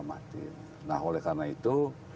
mati nah oleh karena itu